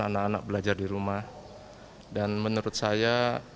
anak anak belajar di rumah dan menurut saya